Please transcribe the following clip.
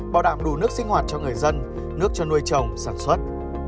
bảo đảm đủ nước sinh hoạt cho người dân nước cho nuôi trồng sản xuất